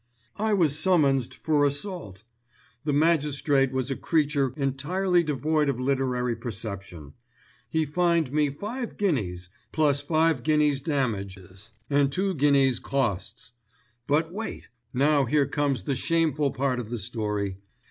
"I was summonsed for assault. The magistrate was a creature entirely devoid of literary perception. He fined me five guineas, plus five guineas damages, and two guineas costs. But wait! Now here comes the shameful part of the story.